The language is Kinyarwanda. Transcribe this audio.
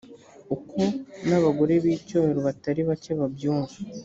uko n’abagore b’icyubahiro batari bake babyumva